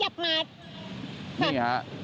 จะขยับมา